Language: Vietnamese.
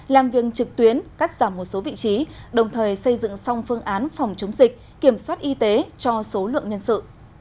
làm viên trực tuyến cắt giảm một số vị trí đồng thời xây dựng xong phương án phòng chống dịch kiểm soát y tế cho số lượng nhân sự